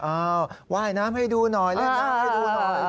ว่ายน้ำให้ดูหน่อยเล่นน้ำให้ดูหน่อย